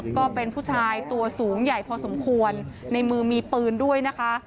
ก็เป็นผู้ชายตัวสูงใหญ่พอสมควรในมือมีปืนด้วยนะคะ